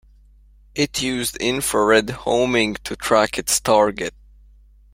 It used infrared homing to track its target.